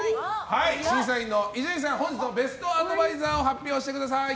審査員の伊集院さん、本日のベストアドバイザーを発表してください。